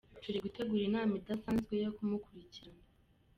Turi gutegura inama idasanzwe yo kumukurikirana.